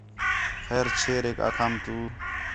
خیر چھیریک آکھام تو